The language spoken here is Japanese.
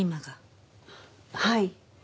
はい。